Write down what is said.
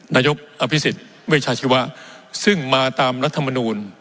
นายกอภิษฎเวชาชีวะซึ่งมาตามรัฐมนูล